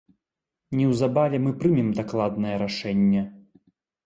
Неўзабаве мы прымем дакладнае рашэнне!